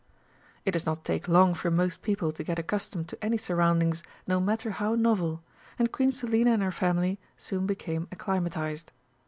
It does not take long for most people to get accustomed to any surroundings, no matter how novel, and Queen Selina and her family soon became acclimatised.